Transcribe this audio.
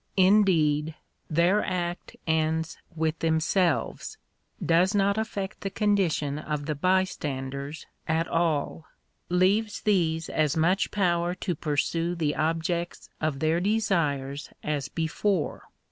Indeed their act ends with themselves — does not affect the condition of the bystanders at all — leaves these as much power to pursue the objects of their desires as before.